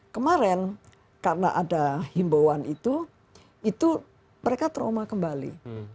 kemarin karena ada himbauan itu itu mereka trauma kembali